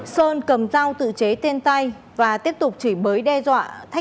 sơn cầm dao tự chế tên tay và tiếp tục chỉ bới đe dọa thách